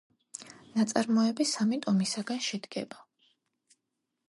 ნაწარმოები სამი ტომისაგან შედგება.